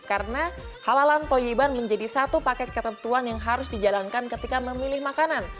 karena halalan toiban menjadi satu paket ketentuan yang harus dijalankan ketika memilih makanan